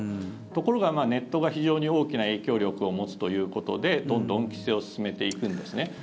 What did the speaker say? ところが、ネットが非常に大きな影響力を持つということでどんどん規制を進めていくんですね。